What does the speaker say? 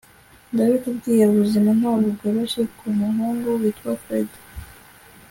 ndabikubwiye, ubuzima ntabwo bworoshye kumuhungu witwa fred